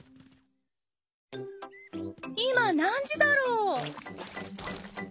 今何時だろう？